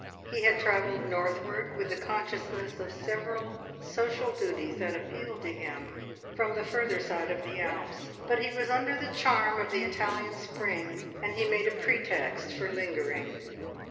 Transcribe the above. He had travelled northward with the consciousness of several social duties that appealed to him from the further side of the Alps, but he was under the charm of the Italian spring, and he made a pretext for lingering.